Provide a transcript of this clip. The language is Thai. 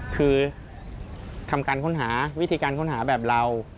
คือทำการค้นหาวิธีการค้นหาแบบเรา